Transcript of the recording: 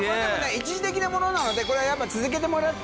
一時的なものなのでこれはやっぱ続けてもらって。